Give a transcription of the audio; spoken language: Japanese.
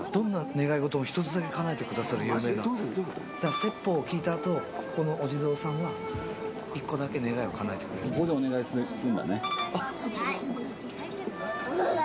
説法を聞いたあとこのお地蔵さんは１個だけ願いをかなえてくれる。